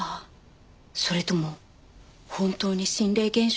それとも本当に心霊現象？